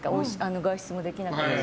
外出もできなかったし。